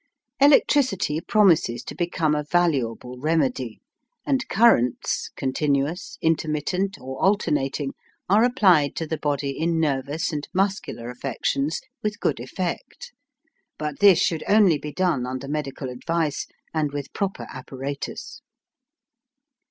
Electricity promises to become a valuable remedy, and currents continuous, intermittent, or alternating are applied to the body in nervous and muscular affections with good effect; but this should only be done under medical advice, and with proper apparatus.